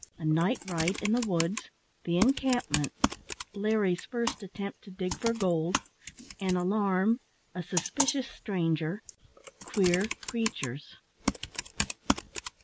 A NIGHT RIDE IN THE WOODS THE ENCAMPMENT LARRY'S FIRST ATTEMPT TO DIG FOR GOLD AN ALARM A SUSPICIOUS STRANGER QUEER CREATURES.